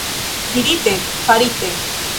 Dirite, farite.